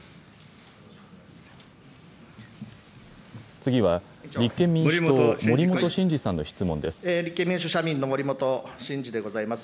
次は立憲民主党、森本真治さんの質問です。